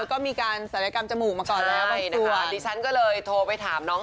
ตอนนี้สายกรรมเป็นยังไงบ้าง